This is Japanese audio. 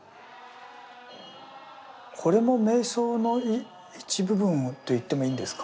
これも瞑想の一部分といってもいいんですか？